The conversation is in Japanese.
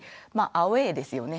アウェイですよね。